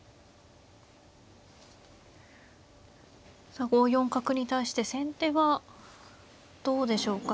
さあ５四角に対して先手はどうでしょうか